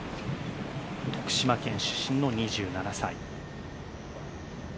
福島県出身の２７歳。